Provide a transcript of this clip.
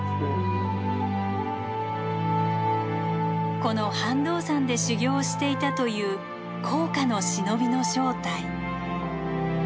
この飯道山で修行をしていたという甲賀の忍びの正体。